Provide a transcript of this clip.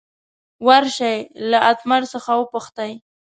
ور شئ له اتمر څخه وپوښتئ.